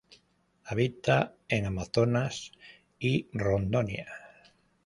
Habita en Amazonas y Rondônia.